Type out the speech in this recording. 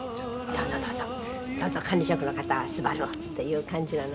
どうぞ、どうぞ管理職の方は『昴−すばる−』をっていう感じなの？